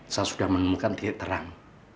saya sudah menemukan titik terang